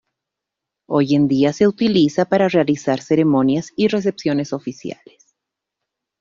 Hoy en día se utiliza para realizar ceremonias y recepciones oficiales.